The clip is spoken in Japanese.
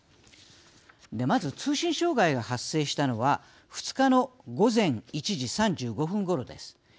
まず、通信障害が発生したのは２日の午前１時３５分ごろです。